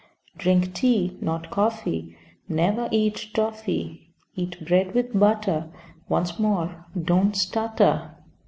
Drink tea, not coffee; Never eat toffy. Eat bread with butter. Once more, don't stutter.